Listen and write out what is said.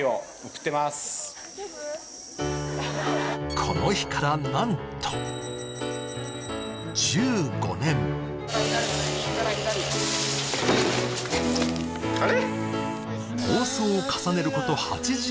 この日から何と１５年あれ？